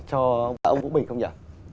cho ông vũ bình không nhỉ